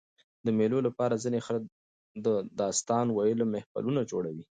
د مېلو له پاره ځيني خلک د داستان ویلو محفلونه جوړوي.